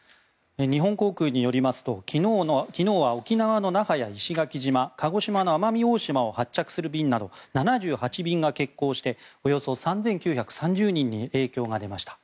日本航空によりますと昨日は沖縄の那覇や石垣島鹿児島の奄美大島を発着する便など７８便が欠航しておよそ３９３０人に影響が出ました。